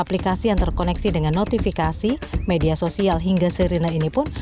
aplikasi yang terkoneksi dengan notifikasi media sosial hingga sirine ini pun